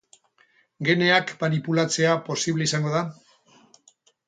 Geneak manipulatzea posible izango da?